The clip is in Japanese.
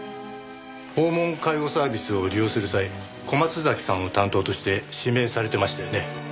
訪問介護サービスを利用する際小松崎さんを担当として指名されてましたよね？